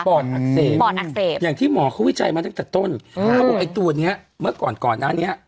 อดอักเสบปอดอักเสบอย่างที่หมอเขาวิจัยมาตั้งแต่ต้นเขาบอกไอ้ตัวเนี้ยเมื่อก่อนก่อนหน้านี้